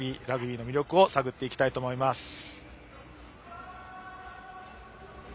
ラグビーの魅力を探っていきたいと思います。